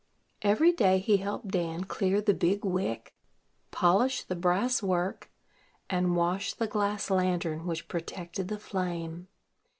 Every day he helped Dan clear the big wick, polish the brass work, and wash the glass lantern which protected the flame.